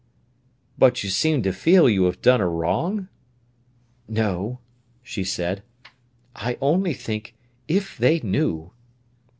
"But you seem to feel you have done a wrong?" "No," she said. "I only think, 'If they knew!